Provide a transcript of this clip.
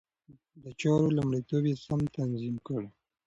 د چارو لومړيتوب يې سم تنظيم کړ.